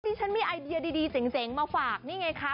ฉันมีไอเดียดีเจ๋งมาฝากนี่ไงคะ